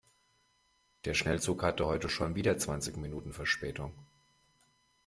Der Schnellzug hatte heute schon wieder zwanzig Minuten Verspätung.